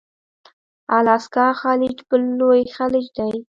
الاسکا خلیج بل لوی خلیج دی.